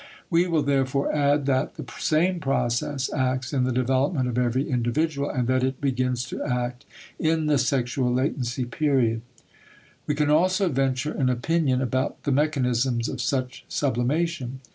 We will therefore add that the same process acts in the development of every individual, and that it begins to act in the sexual latency period. We can also venture an opinion about the mechanisms of such sublimation.